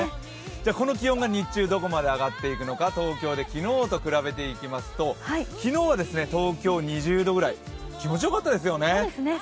この気温が日中どこまで上がっていくのか、東京で昨日と比べていきますと、昨日は東京２０度ぐらい気持ちよかったですよね。